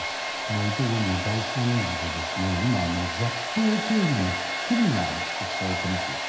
イテウォンの大惨事で今、雑踏警備の不備が指摘されています。